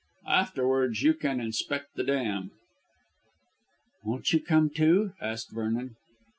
Afterwards you can inspect the dam." "Won't you come, too?" asked Vernon.